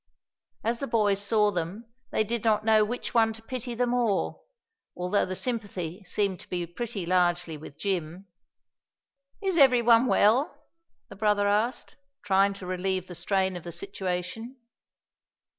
As the boys saw them they did not know which one to pity the more, although the sympathy seemed to be pretty largely with Jim. "Is every one well?" the brother asked, trying to relieve the strain of the situation.